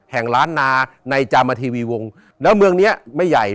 ล้านนาในจามทีวีวงแล้วเมืองเนี้ยไม่ใหญ่